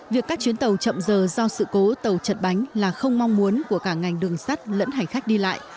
việc các chuyến tàu chậm giờ do sự cố tàu chật bánh là không mong muốn của cả ngành đường sắt lẫn hành khách đi lại